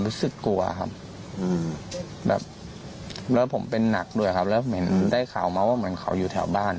มึงหรือผมเป็นหนักว่ามันได้เขามาว่านานเขาอยู่แถวบ้าน